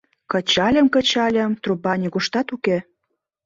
Кычальым-кычальым, труба нигуштат уке.